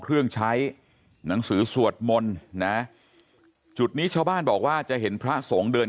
เครื่องใช้หนังสือสวดมนต์นะจุดนี้ชาวบ้านบอกว่าจะเห็นพระสงฆ์เดิน